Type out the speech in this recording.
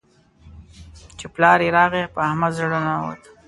چې پلار يې راغی؛ په احمد زړه ننوت.